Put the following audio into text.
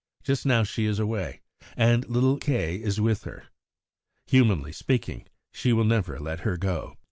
Just now she is away, and little K. is with her. ... Humanly speaking, she will never let her go."